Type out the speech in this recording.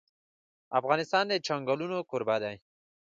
افغانستان د چنګلونه کوربه دی.